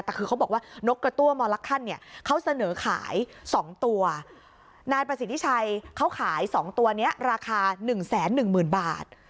แต่คือเขาบอกว่านกกกระตั้วมอลลัคคันเนี่ยเขาเสนอขาย๒ตัวนายประสิทธิ์ชัยเขาขาย๒ตัวเนี่ยราคา๑๑๐๐๐๐บาท